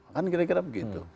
kan kira kira begitu